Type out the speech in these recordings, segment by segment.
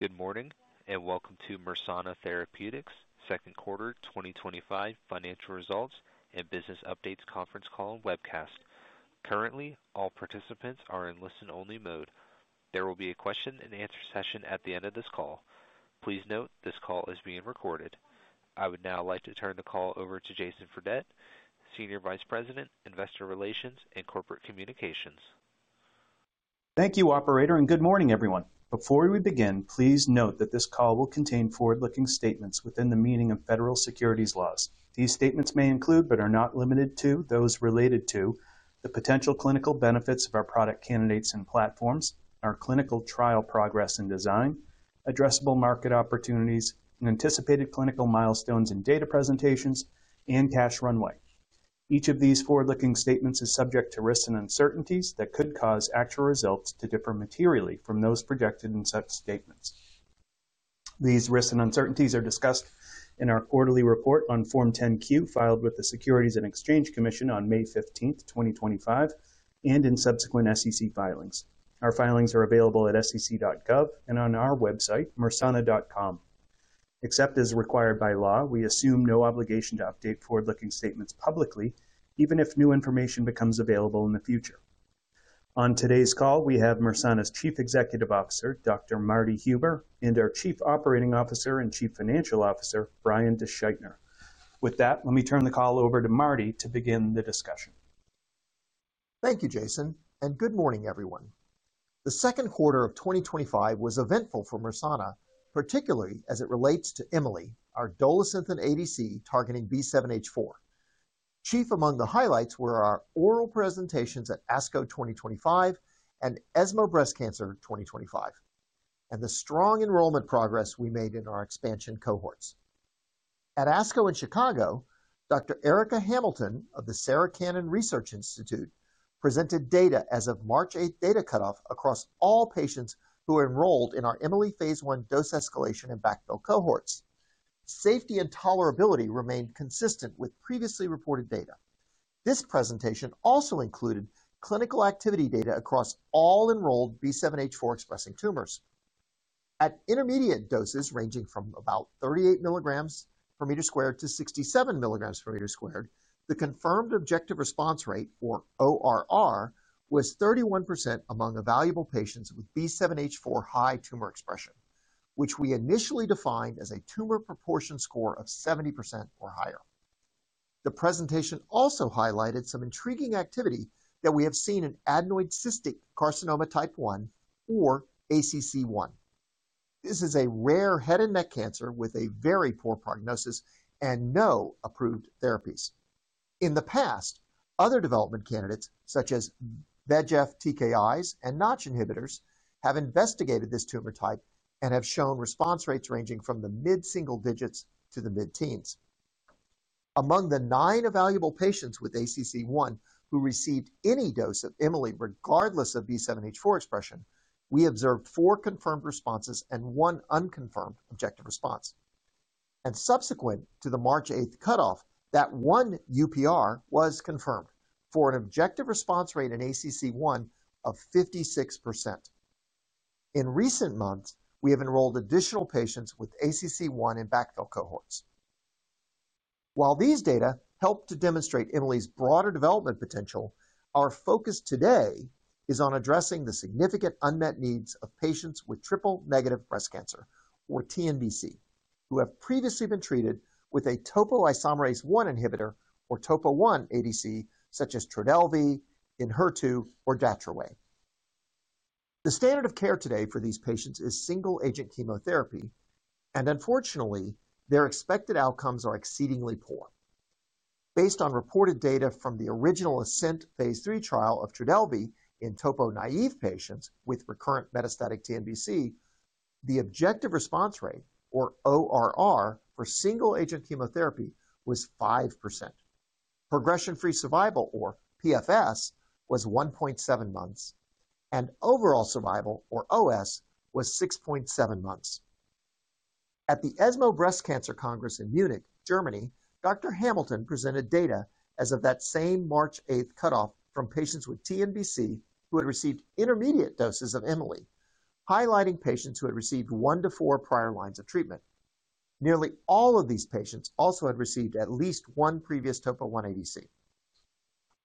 Good morning and welcome to Mersana Therapeutics' Second Quarter 2025 Financial Results and Business Updates Conference Call and Webcast. Currently, all participants are in listen-only mode. There will be a question and answer session at the end of this call. Please note this call is being recorded. I would now like to turn the call over to Jason Fredette, Senior Vice President, Investor Relations and Corporate Communications. Thank you, operator, and good morning, everyone. Before we begin, please note that this call will contain forward-looking statements within the meaning of federal securities laws. These statements may include, but are not limited to, those related to the potential clinical benefits of our product candidates and platforms, our clinical trial progress and design, addressable market opportunities, anticipated clinical milestones and data presentations, and cash runway. Each of these forward-looking statements is subject to risks and uncertainties that could cause actual results to differ materially from those projected in such statements. These risks and uncertainties are discussed in our quarterly report on Form 10-Q filed with the Securities and Exchange Commission on May 15th 2025, and in subsequent SEC filings. Our filings are available at sec.gov and on our website, mersana.com. Except as required by law, we assume no obligation to update forward-looking statements publicly, even if new information becomes available in the future. On today's call, we have Mersana's Chief Executive Officer, Dr. Marty Huber, and our Chief Operating Officer and Chief Financial Officer, Brian DeSchuytner. With that, let me turn the call over to Marty to begin the discussion. Thank you, Jason, and good morning, everyone. The second quarter of 2025 was eventful for Mersana, particularly as it relates to Emi-Le, our Dolasynthen ADC targeting B7-H4. Chief among the highlights were our oral presentations at ASCO 2025 and ESMO Breast Cancer 2025, and the strong enrollment progress we made in our expansion cohorts. At ASCO in Chicago, Dr. Erika Hamilton of the Sarah Cannon Research Institute presented data as of March 8th data cutoff across all patients who enrolled in our Emi-Le phase I dose escalation and backfill cohorts. Safety and tolerability remained consistent with previously reported data. This presentation also included clinical activity data across all enrolled B7-H4-expressing tumors. At intermediate doses ranging from about 38 mg/m2-67 mg/m2, the confirmed objective response rate, or ORR, was 31% among the evaluable patients with B7-H4 high tumor expression, which we initially defined as a tumor proportion score of 70% or higher. The presentation also highlighted some intriguing activity that we have seen in adenoid cystic carcinoma type 1, or ACC1. This is a rare head and neck cancer with a very poor prognosis and no approved therapies. In the past, other development candidates, such as VEGF TKIs and NOTCH inhibitors, have investigated this tumor type and have shown response rates ranging from the mid-single digits to the mid-teens. Among the nine evaluable patients with ACC1 who received any dose of Emi-Le, regardless of B7-H4 expression, we observed four confirmed responses and one unconfirmed objective response. Subsequent to the March 8th cutoff, that one [UpRi] was confirmed for an objective response rate in ACC1 of 56%. In recent months, we have enrolled additional patients with ACC1 in backfill cohorts. While these data help to demonstrate Emi-Le's broader development potential, our focus today is on addressing the significant unmet needs of patients with triple-negative breast cancer, or TNBC, who have previously been treated with a topoisomerase-1 inhibitor, or topo-1 ADC, such as TRODELVY, ENHERTU, or DATROWAY. The standard of care today for these patients is single-agent chemotherapy, and unfortunately, their expected outcomes are exceedingly poor. Based on reported data from the original ASCENT phase III trial of TRODELVY in topo-1 naive patients with recurrent metastatic TNBC, the objective response rate, or ORR, for single-agent chemotherapy was 5%. Progression-free survival, or PFS, was 1.7 months, and overall survival, or OS, was 6.7 months. At the ESMO Breast Cancer Congress in Munich, Germany, Dr. Hamilton presented data as of that same March 8th cutoff from patients with TNBC who had received intermediate doses of Emi-Le, highlighting patients who had received one to four prior lines of treatment. Nearly all of these patients also had received at least one previous topo-1 ADC.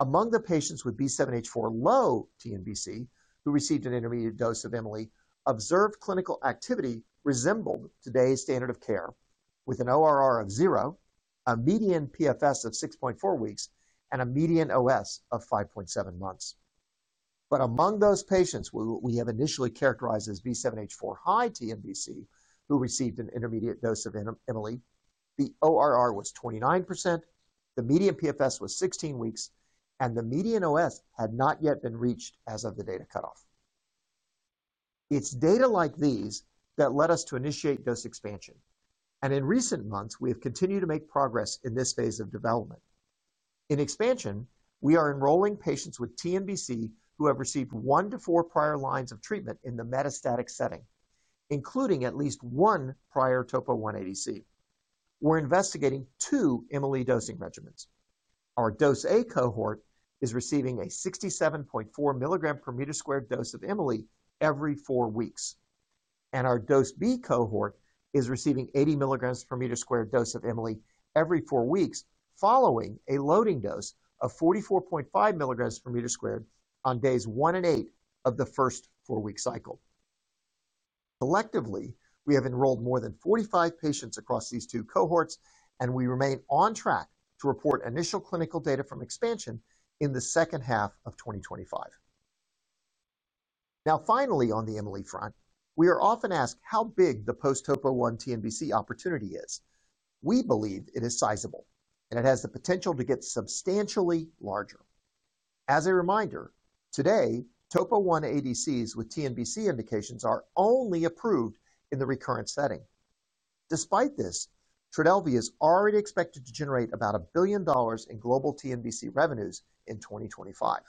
Among the patients with B7-H4 low TNBC who received an intermediate dose of Emi-Le, observed clinical activity resembled today's standard of care, with an ORR of 0%, a median PFS of 6.4 weeks, and a median OS of 5.7 months. Among those patients we have initially characterized as B7-H4 high TNBC who received an intermediate dose of Emi-Le, the ORR was 29%, the median PFS was 16 weeks, and the median OS had not yet been reached as of the data cutoff. It is data like these that led us to initiate dose expansion, and in recent months, we have continued to make progress in this phase of development. In expansion, we are enrolling patients with TNBC who have received one to four prior lines of treatment in the metastatic setting, including at least one prior topo-1 ADC. We are investigating two Emi-Le dosing regimens. Our dose A cohort is receiving a 67.4 mg/m2 dose of Emi-Le every four weeks, and our dose B cohort is receiving 80 mg/m2 dose of Emi-Le every four weeks following a loading dose of 44.5 mg/m2 on days one and eight of the first four-week cycle. Collectively, we have enrolled more than 45 patients across these two cohorts, and we remain on track to report initial clinical data from expansion in the second half of 2025. Finally, on the Emi-Le front, we are often asked how big the post-topo-1 TNBC opportunity is. We believe it is sizable, and it has the potential to get substantially larger. As a reminder, today, topo-1 ADCs with TNBC indications are only approved in the recurrent setting. Despite this, TRODELVY is already expected to generate about $1 billion in global TNBC revenues in 2025.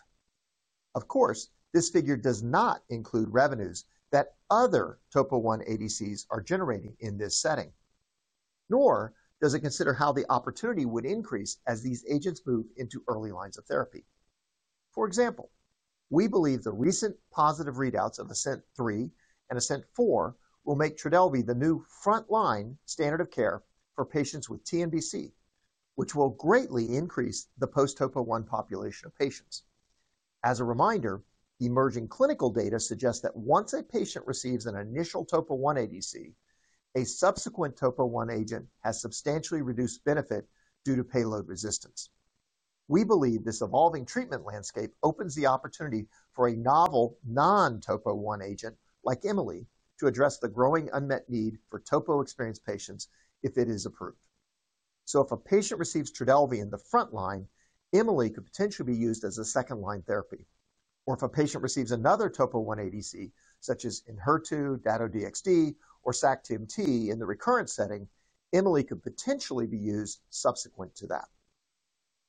This figure does not include revenues that other topo-1 ADCs are generating in this setting, nor does it consider how the opportunity would increase as these agents move into early lines of therapy. For example, we believe the recent positive readouts of ASCENT-03 and ASCENT-04 will make TRODELVY the new frontline standard of care for patients with TNBC, which will greatly increase the post-topo-1 population of patients. As a reminder, emerging clinical data suggests that once a patient receives an initial topo-1 ADC, a subsequent topo-1 agent has substantially reduced benefit due to payload resistance. We believe this evolving treatment landscape opens the opportunity for a novel non-topo-1 agent like Emi-Le to address the growing unmet need for topo-experienced patients if it is approved. If a patient receives TRODELVY in the frontline, Emi-Le could potentially be used as a second-line therapy. If a patient receives another topo-1 ADC, such as ENHERTU, Dato-DXd, or Sac-TMT in the recurrent setting, Emi-Le could potentially be used subsequent to that.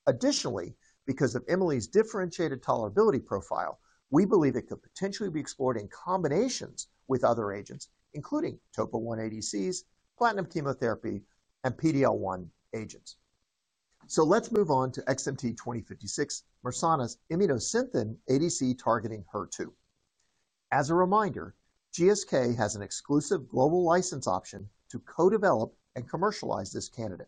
Additionally, because of Emi-Le's differentiated tolerability profile, we believe it could potentially be explored in combinations with other agents, including topo-1 ADCs, platinum chemotherapy, and PD-L1 agents. Let's move on to XMT-2056, Mersana's Immunosynthin ADC targeting HER2. As a reminder, GSK has an exclusive global license option to co-develop and commercialize this candidate.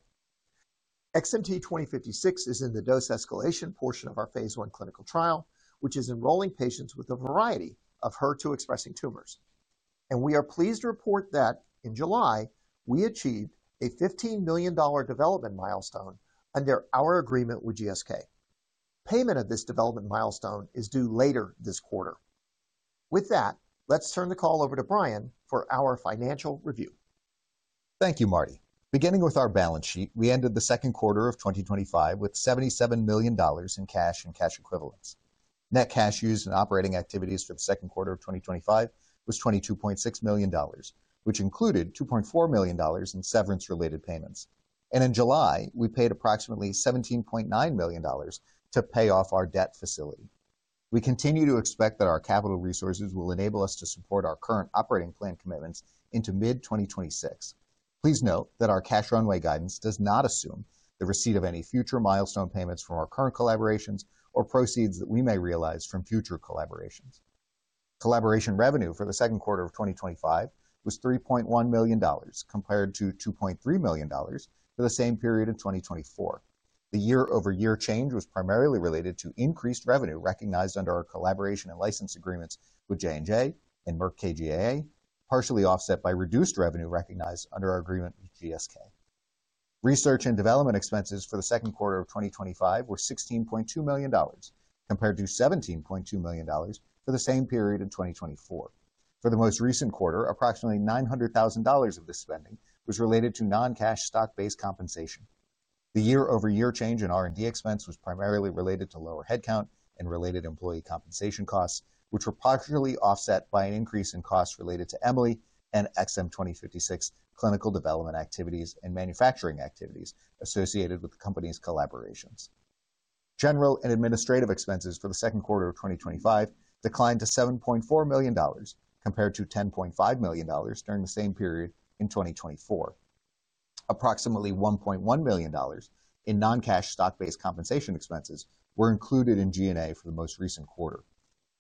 XMT-2056 is in the dose escalation portion of our phase I clinical trial, which is enrolling patients with a variety of HER2-expressing tumors. We are pleased to report that in July, we achieved a $15 million development milestone under our agreement with GSK. Payment of this development milestone is due later this quarter. With that, let's turn the call over to Brian for our financial review. Thank you, Marty. Beginning with our balance sheet, we ended the second quarter of 2025 with $77 million in cash and cash equivalents. Net cash used in operating activities for the second quarter of 2025 was $22.6 million, which included $2.4 million in severance-related payments. In July, we paid approximately $17.9 million to pay off our debt facility. We continue to expect that our capital resources will enable us to support our current operating plan commitments into mid-2026. Please note that our cash runway guidance does not assume the receipt of any future milestone payments from our current collaborations or proceeds that we may realize from future collaborations. Collaboration revenue for the second quarter of 2025 was $3.1 million, compared to $2.3 million for the same period in 2024. The year-over-year change was primarily related to increased revenue recognized under our collaboration and license agreements with J&J and Merck KGaA, partially offset by reduced revenue recognized under our agreement with GSK. Research and development expenses for the second quarter of 2025 were $16.2 million, compared to $17.2 million for the same period in 2024. For the most recent quarter, approximately $900,000 of this spending was related to non-cash stock-based compensation. The year-over-year change in R&D expense was primarily related to lower headcount and related employee compensation costs, which were partially offset by an increase in costs related to Emi-Le and XMT-2056 clinical development activities and manufacturing activities associated with the company's collaborations. General and administrative expenses for the second quarter of 2025 declined to $7.4 million, compared to $10.5 million during the same period in 2024. Approximately $1.1 million in non-cash stock-based compensation expenses were included in G&A for the most recent quarter.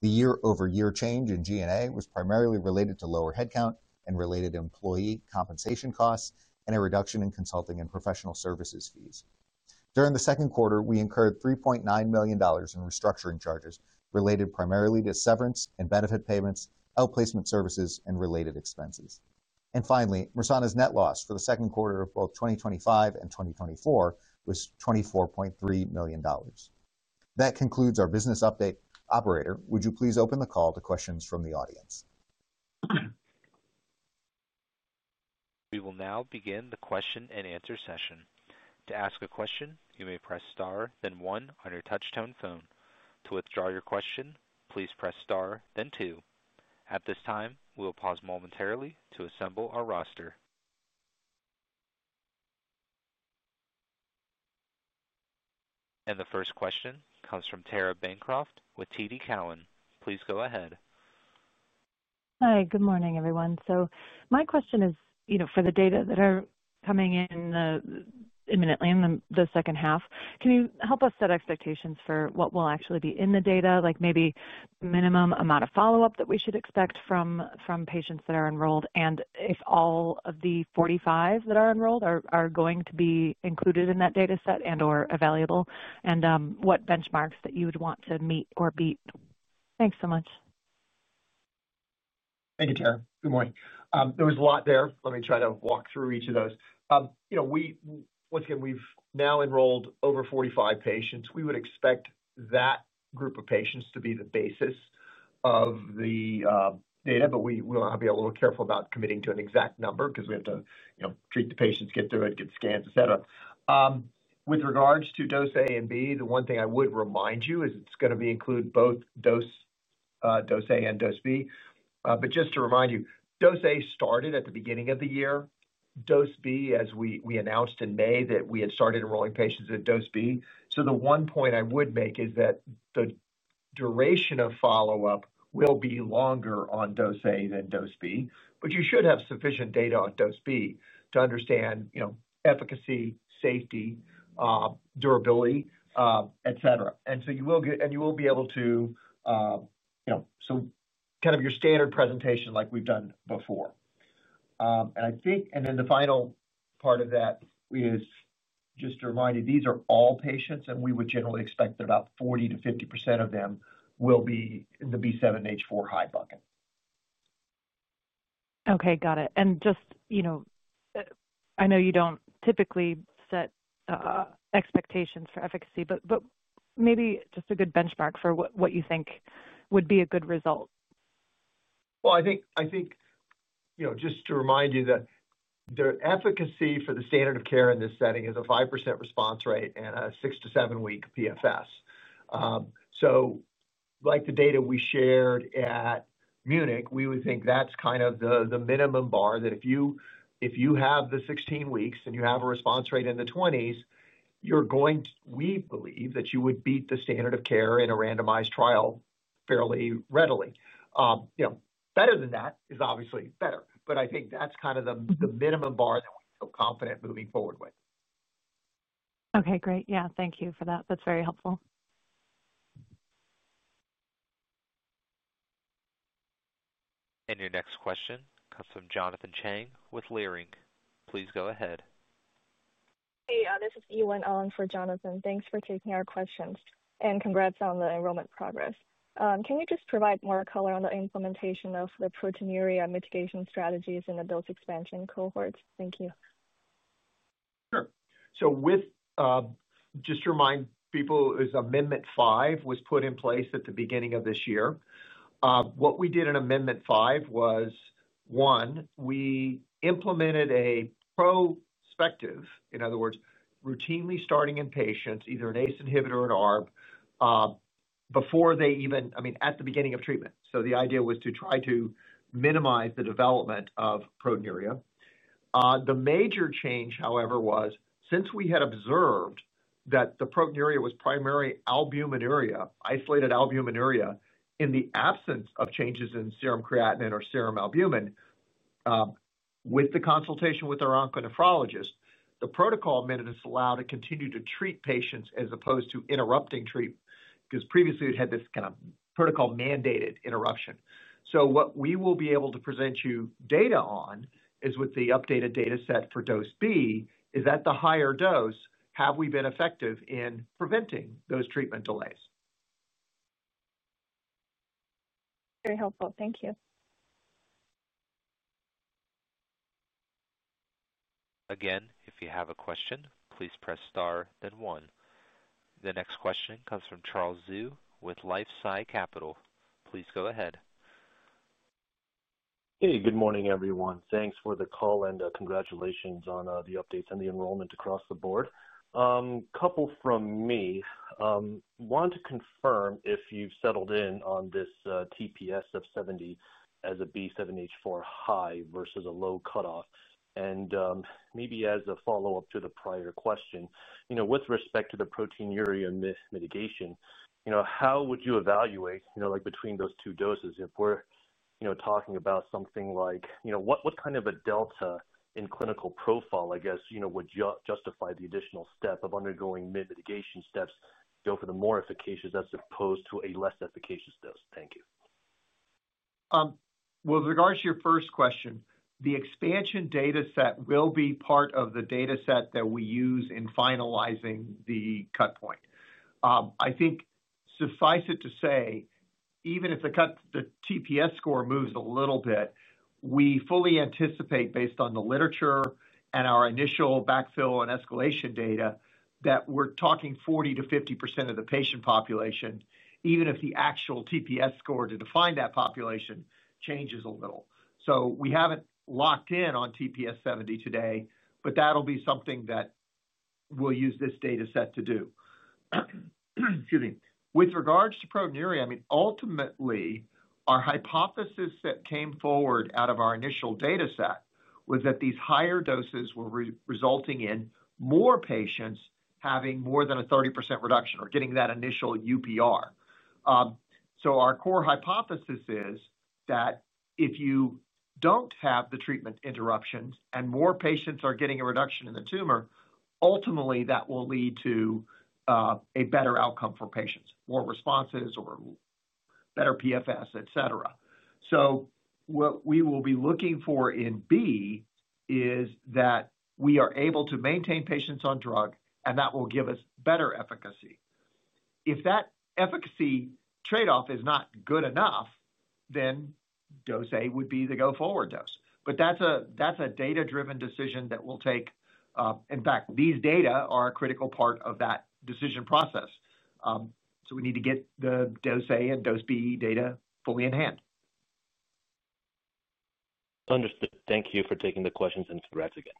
The year-over-year change in G&A was primarily related to lower headcount and related employee compensation costs and a reduction in consulting and professional services fees. During the second quarter, we incurred $3.9 million in restructuring charges related primarily to severance and benefit payments, outplacement services, and related expenses. Finally, Mersana's net loss for the second quarter of both 2025 and 2024 was $24.3 million. That concludes our business update. Operator, would you please open the call to questions from the audience? We will now begin the question and answer session. To ask a question, you may press star, then one on your touchtone phone. To withdraw your question, please press star, then two. At this time, we'll pause momentarily to assemble our roster. The first question comes from Tara Bancroft with TD Cowen. Please go ahead. Hi, good morning, everyone. My question is, for the data that are coming in imminently in the second half, can you help us set expectations for what will actually be in the data, like maybe the minimum amount of follow-up that we should expect from patients that are enrolled and if all of the 45 that are enrolled are going to be included in that data set and/or available, and what benchmarks that you would want to meet or beat? Thanks so much. Thank you, Tara. Good morning. There was a lot there. Let me try to walk through each of those. Once again, we've now enrolled over 45 patients. We would expect that group of patients to be the basis of the data, but we'll have to be a little careful about committing to an exact number because we have to treat the patients, get through it, get scans, et cetera. With regards to dose A and B, the one thing I would remind you is it's going to include both dose A and dose B. Just to remind you, dose A started at the beginning of the year. Dose B, as we announced in May, we had started enrolling patients in dose B. The one point I would make is that the duration of follow-up will be longer on dose A than dose B, but you should have sufficient data on dose B to understand efficacy, safety, durability, et cetera. You will get, and you will be able to, your standard presentation like we've done before. The final part of that is just to remind you, these are all patients, and we would generally expect that about 40%-50% of them will be in the B7-H4 high bucket. Okay, got it. I know you don't typically set expectations for efficacy, but maybe just a good benchmark for what you think would be a good result. I think, you know, just to remind you that the efficacy for the standard of care in this setting is a 5% response rate and a six to seven-week PFS. Like the data we shared at Munich, we would think that's kind of the minimum bar that if you have the 16 weeks and you have a response rate in the 20s, you're going to, we believe that you would beat the standard of care in a randomized trial fairly readily. Better than that is obviously better, but I think that's kind of the minimum bar that we feel confident moving forward with. Okay, great. Thank you for that. That's very helpful. Your next question comes from Jonathan Chang with Leerink. Please go ahead. Hey, this is [Ewan Ong] for Jonathan. Thanks for taking our questions and congrats on the enrollment progress. Can you just provide more color on the implementation of the proteinuria mitigation strategies in the dose expansion cohorts? Thank you. Sure. Just to remind people, Amendment 5 was put in place at the beginning of this year. What we did in Amendment 5 was, one, we implemented a prospective, in other words, routinely starting in patients either an ACE inhibitor or an ARB before they even, I mean, at the beginning of treatment. The idea was to try to minimize the development of proteinuria. The major change, however, was since we had observed that the proteinuria was primary albuminuria, isolated albuminuria, in the absence of changes in serum creatinine or serum albumin, with the consultation with our onconephrologist, the protocol amendments allow to continue to treat patients as opposed to interrupting treatment because previously we'd had this kind of protocol-mandated interruption. What we will be able to present you data on is with the updated data set for dose B, is at the higher dose, have we been effective in preventing those treatment delays? Very helpful. Thank you. Again, if you have a question, please press star, then one. The next question comes from Charles Zhu with LifeSci Capital. Please go ahead. Hey, good morning, everyone. Thanks for the call and congratulations on the updates and the enrollment across the board. A couple from me. Wanted to confirm if you've settled in on this TPS of 70 as a B7-H4 high versus a low cutoff. Maybe as a follow-up to the prior question, with respect to the proteinuria mitigation, how would you evaluate, like between those two doses if we're talking about something like what kind of a delta in clinical profile, I guess, would justify the additional step of undergoing mitigation steps to go for the more efficacious as opposed to a less efficacious dose? Thank you. With regards to your first question, the expansion data set will be part of the data set that we use in finalizing the cut point. I think suffice it to say, even if the TPS score moves a little bit, we fully anticipate, based on the literature and our initial backfill and escalation data, that we're talking 40%-50% of the patient population, even if the actual TPS score to define that population changes a little. We haven't locked in on TPS 70 today, but that'll be something that we'll use this data set to do. Excuse me. With regards to proteinuria, ultimately, our hypothesis that came forward out of our initial data set was that these higher doses were resulting in more patients having more than a 30% reduction or getting that initial [UpRi]. Our core hypothesis is that if you don't have the treatment interruptions and more patients are getting a reduction in the tumor, ultimately that will lead to a better outcome for patients, more responses or better PFS, etc. What we will be looking for in B is that we are able to maintain patients on drug and that will give us better efficacy. If that efficacy trade-off is not good enough, then dose A would be the go-forward dose. That's a data-driven decision that we'll take. In fact, these data are a critical part of that decision process. We need to get the dose A and dose B data fully in hand. Understood. Thank you for taking the questions, and congrats again.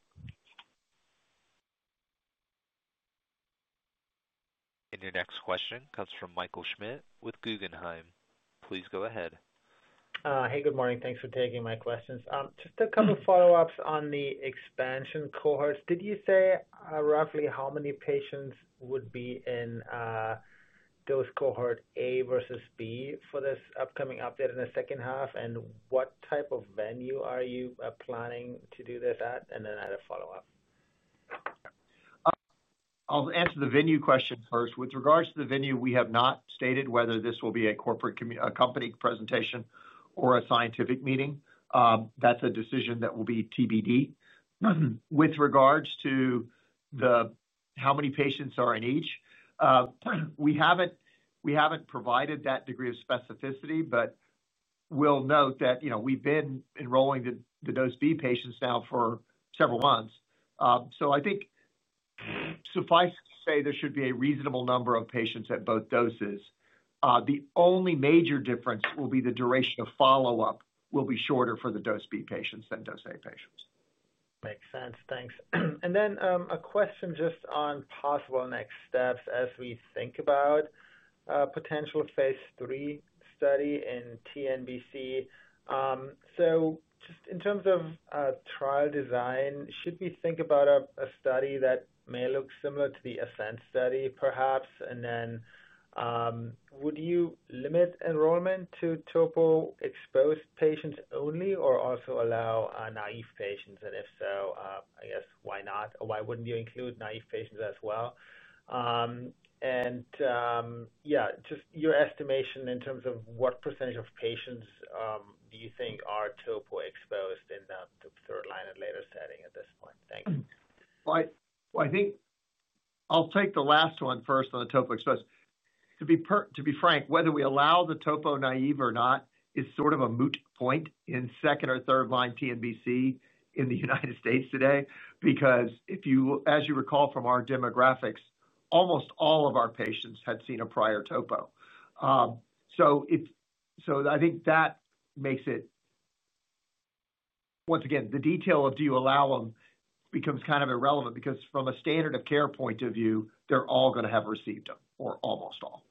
Your next question comes from Michael Schmidt with Guggenheim. Please go ahead. Hey, good morning. Thanks for taking my questions. Just a couple of follow-ups on the expansion cohorts. Did you say roughly how many patients would be in dose cohort A versus B for this upcoming update in the second half? What type of venue are you planning to do this at? I have a follow-up. I'll answer the venue question first. With regards to the venue, we have not stated whether this will be a corporate company presentation or a scientific meeting. That's a decision that will be TBD. With regards to how many patients are in each, we haven't provided that degree of specificity, but we'll note that we've been enrolling the dose B patients now for several months. I think suffice it to say there should be a reasonable number of patients at both doses. The only major difference will be the duration of follow-up will be shorter for the dose B patients than dose A patients. Makes sense. Thanks. A question just on possible next steps as we think about potential phase III study in TNBC. In terms of trial design, should we think about a study that may look similar to the ASCENT study perhaps? Would you limit enrollment to topo-1 ADC-exposed patients only or also allow naive patients? If so, why not? Why wouldn't you include naive patients as well? Your estimation in terms of what percantage of patients do you think are topo-1 ADC-exposed in the third line and later setting at this point? Thanks. I think I'll take the last one first on the topo-exposed. To be frank, whether we allow the topo naive or not is sort of a moot point in second or third line TNBC in the United States today because if you, as you recall from our demographics, almost all of our patients had seen a prior topo. I think that makes it, once again, the detail of do you allow them becomes kind of irrelevant because from a standard of care point of view, they're all going to have received them, or almost all.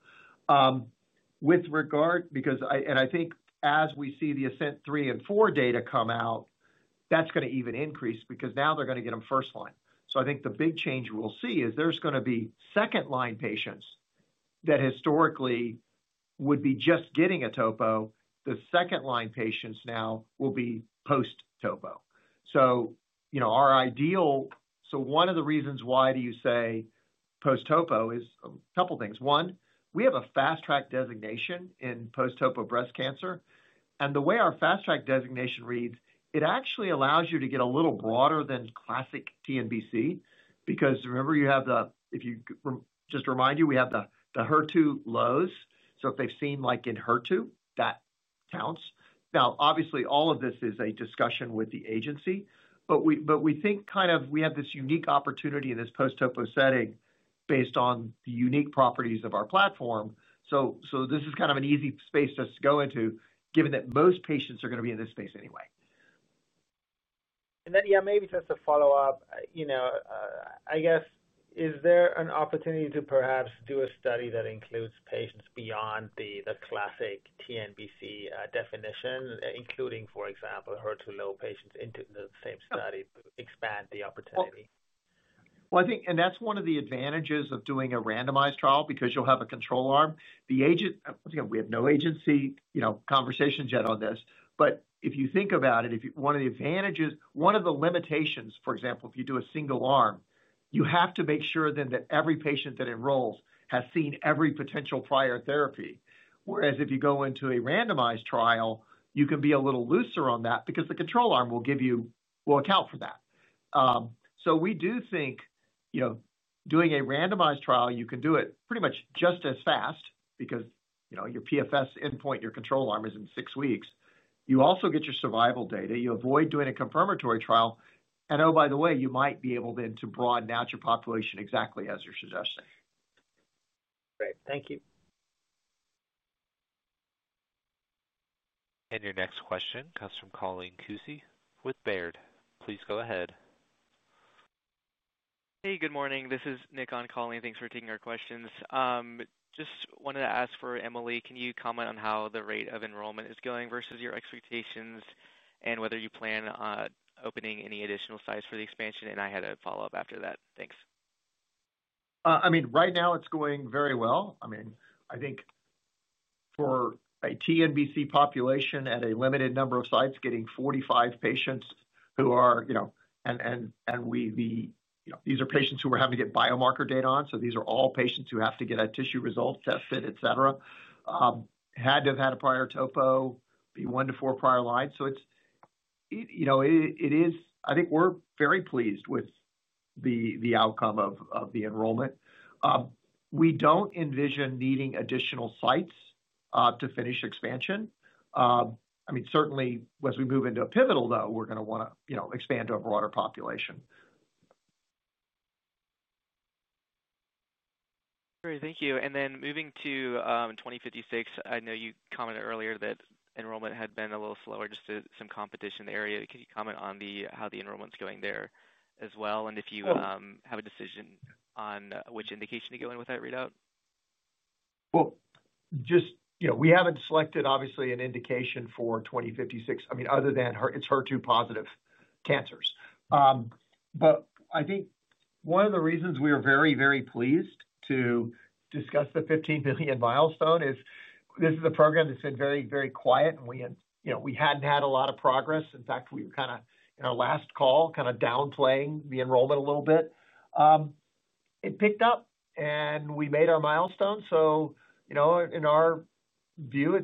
With regard, and I think as we see the ASCENT-03 and 04 data come out, that's going to even increase because now they're going to get them first line. I think the big change we'll see is there's going to be second line patients that historically would be just getting a topo. The second line patients now will be post-topo. Our ideal, so one of the reasons why do you say post-topo is a couple of things. One, we have a fast-track designation in post-topo breast cancer. The way our fast-track designation reads, it actually allows you to get a little broader than classic TNBC because remember you have the, if you just remind you, we have the HER2 lows. If they've seen like in HER2, that counts. Obviously, all of this is a discussion with the agency, but we think kind of we have this unique opportunity in this post-topo setting based on the unique properties of our platform. This is kind of an easy space just to go into given that most patients are going to be in this space anyway. Maybe just to follow up, is there an opportunity to perhaps do a study that includes patients beyond the classic TNBC definition, including, for example, HER2 low patients into the same study to expand the opportunity? I think that's one of the advantages of doing a randomized trial because you'll have a control arm. The agent, once again, we have no agency conversations yet on this. If you think about it, one of the advantages, one of the limitations, for example, if you do a single arm, you have to make sure that every patient that enrolls has seen every potential prior therapy. If you go into a randomized trial, you can be a little looser on that because the control arm will account for that. We do think doing a randomized trial, you can do it pretty much just as fast because your PFS endpoint, your control arm is in six weeks. You also get your survival data, you avoid doing a confirmatory trial, and by the way, you might be able then to broaden out your population exactly as your suggestion. Great. Thank you. Your next question comes from Colleen Kusy with Baird. Please go ahead. Hey, good morning. This is Nick on calling. Thanks for taking our questions. Just wanted to ask for Emi-Le, can you comment on how the rate of enrollment is going versus your expectations and whether you plan on opening any additional sites for the expansion? I had a follow-up after that. Thanks. Right now it's going very well. I think for a TNBC population at a limited number of sites, getting 45 patients who are, you know, these are patients who we're having to get biomarker data on. These are all patients who have to get a tissue result, test fit, et cetera. Had to have had a prior topo, be one to four prior lines. I think we're very pleased with the outcome of the enrollment. We don't envision needing additional sites to finish expansion. Certainly as we move into a pivotal though, we're going to want to expand to a broader population. Great, thank you. Moving to XMT-2056, I know you commented earlier that enrollment had been a little slower due to some competition in the area. Can you comment on how the enrollment's going there as well, and if you have a decision on which indication to go in with that readout? We haven't selected obviously an indication for XMT-2056, other than it's HER2 positive cancers. I think one of the reasons we are very, very pleased to discuss the $15 million milestone is this is a program that's been very, very quiet and we hadn't had a lot of progress. In fact, we were in our last call kind of downplaying the enrollment a little bit. It picked up and we made our milestone. In our view,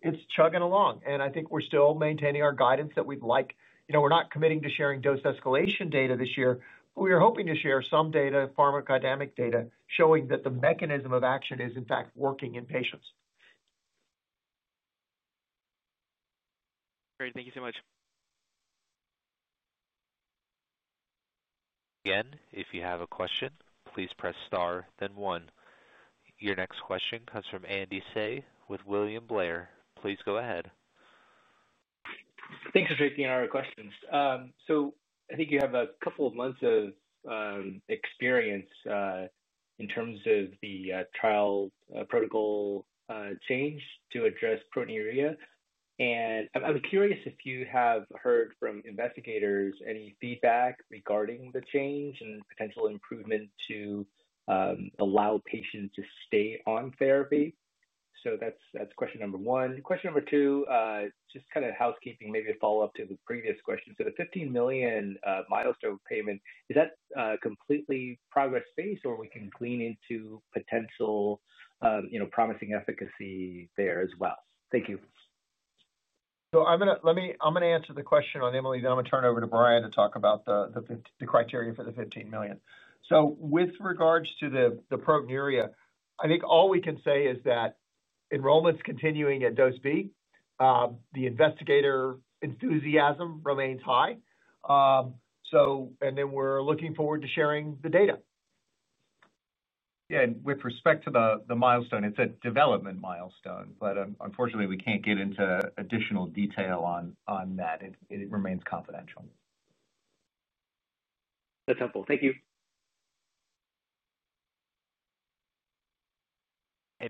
it's chugging along. I think we're still maintaining our guidance that we'd like, you know, we're not committing to sharing dose escalation data this year. We are hoping to share some data, pharmacodynamic data showing that the mechanism of action is in fact working in patients. Great, thank you so much. Again, if you have a question, please press star, then one. Your next question comes from Andy Hsieh with William Blair. Please go ahead. Thanks for taking our questions. I think you have a couple of months of experience in terms of the trial protocol change to address proteinuria. I'm curious if you have heard from investigators any feedback regarding the change and potential improvement to allow patients to stay on therapy. That's question number one. Question number two, just kind of housekeeping, maybe a follow-up to the previous question. The $15 million milestone payment, is that completely progress-based or can we glean into potential, you know, promising efficacy there as well? Thank you. I'm going to answer the question on Emi-Le, then I'm going to turn it over to Brian to talk about the criteria for the $15 million. With regards to the proteinuria, all we can say is that enrollment's continuing at dose B. The investigator enthusiasm remains high, and we're looking forward to sharing the data. With respect to the milestone, it's a development milestone, but unfortunately, we can't get into additional detail on that. It remains confidential. That's helpful. Thank you.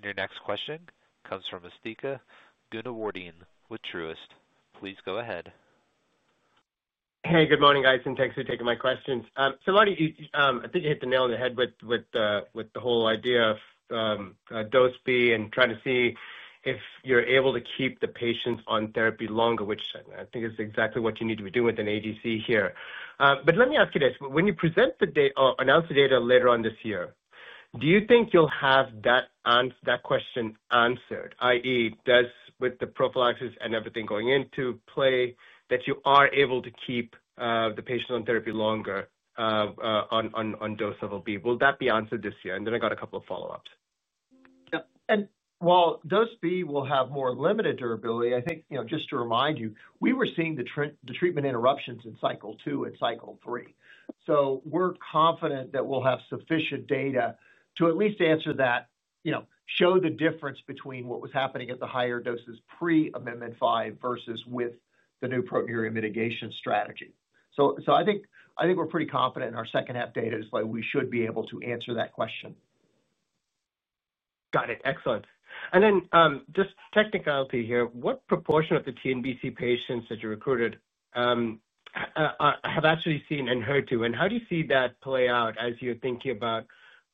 Your next question comes from Asthika Goonewardene with Truist. Please go ahead. Good morning guys, and thanks for taking my questions. Marty, I think you hit the nail on the head with the whole idea of dose B and trying to see if you're able to keep the patients on therapy longer, which I think is exactly what you need to be doing with an ADC here. Let me ask you this. When you present the data or announce the data later on this year, do you think you'll have that question answered, i.e., does with the prophylaxis and everything going into play that you are able to keep the patients on therapy longer on dose level B? Will that be answered this year? I have a couple of follow-ups. Yeah, while dose B will have more limited durability, I think, just to remind you, we were seeing the treatment interruptions in cycle two and cycle three. We're confident that we'll have sufficient data to at least answer that, show the difference between what was happening at the higher doses pre-Amendment 5 versus with the new proteinuria mitigation strategy. I think we're pretty confident in our second half data display. We should be able to answer that question. Got it. Excellent. Just a technicality here. What proportion of the TNBC patients that you recruited have actually seen ENHERTU? How do you see that play out as you're thinking about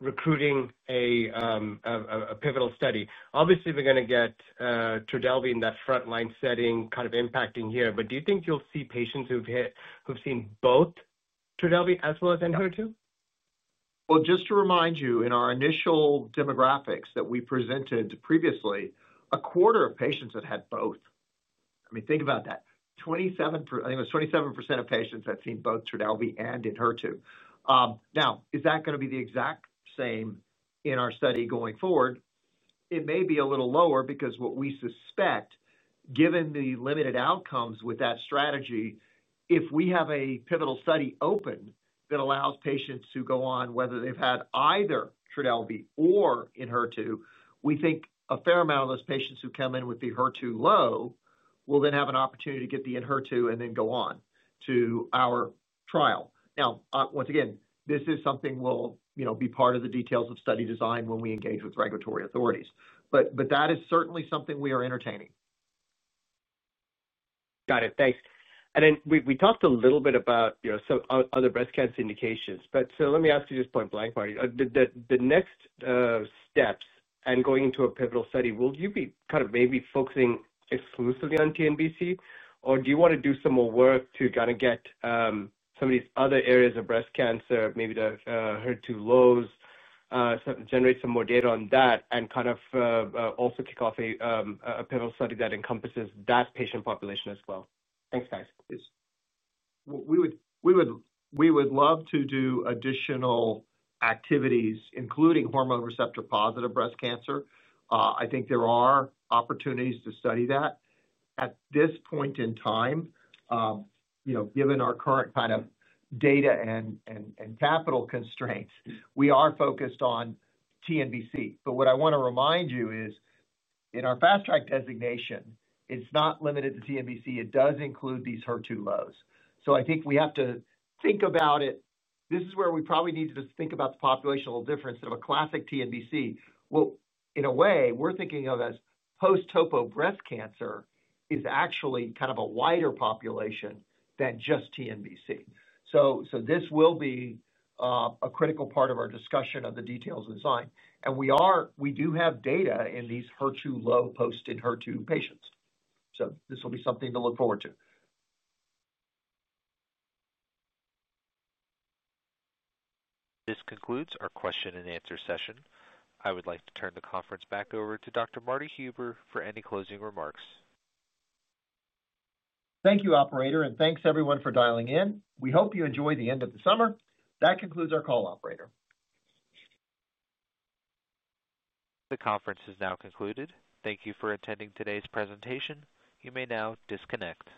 recruiting a pivotal study? Obviously, we're going to get TRODELVY in that frontline setting impacting here, but do you think you'll see patients who've seen both TRODELVY as well as ENHERTU? Just to remind you, in our initial demographics that we presented previously, a quarter of patients had both. I mean, think about that. I think it was 27% of patients that had seen both TRODELVY and ENHERTU. Now, is that going to be the exact same in our study going forward? It may be a little lower because what we suspect, given the limited outcomes with that strategy, if we have a pivotal study open that allows patients who go on whether they've had either TRODELVY or ENHERTU, we think a fair amount of those patients who come in with the HER2 low will then have an opportunity to get the ENHERTU and then go on to our trial. Once again, this is something that will be part of the details of study design when we engage with regulatory authorities. That is certainly something we are entertaining. Got it. Thanks. We talked a little bit about, you know, other breast cancer indications. Let me ask you this point blank, Marty. The next steps and going into a pivotal study, will you be kind of maybe focusing exclusively on TNBC, or do you want to do some more work to get some of these other areas of breast cancer, maybe the HER2 lows, generate some more data on that and also kick off a pivotal study that encompasses that patient population as well? Thanks, guys. We would love to do additional activities, including hormone receptor-positive breast cancer. I think there are opportunities to study that. At this point in time, given our current kind of data and capital constraints, we are focused on TNBC. What I want to remind you is in our fast-track designation, it's not limited to TNBC. It does include these HER2 lows. I think we have to think about it. This is where we probably need to just think about the population a little different instead of a classic TNBC. In a way, we're thinking of as post-topo breast cancer is actually kind of a wider population than just TNBC. This will be a critical part of our discussion of the details of design. We do have data in these HER2 low post-in HER2 patients. This will be something to look forward to. This concludes our question and answer session. I would like to turn the conference back over to Dr. Marty Huber for any closing remarks. Thank you, operator, and thanks everyone for dialing in. We hope you enjoy the end of the summer. That concludes our call, operator. The conference is now concluded. Thank you for attending today's presentation. You may now disconnect.